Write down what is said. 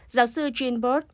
giáo sư gimbert